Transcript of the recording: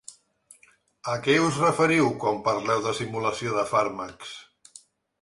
A què us referiu quan parleu de simulació de fàrmacs?